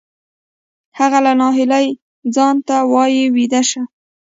هغه له ناهیلۍ ځان ته وایی ویده شه